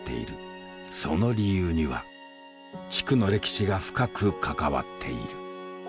その理由には地区の歴史が深く関わっている。